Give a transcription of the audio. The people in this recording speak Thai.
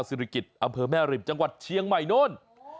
ศิริกิจอำเภอแม่ริมจังหวัดเชียงใหม่โน้น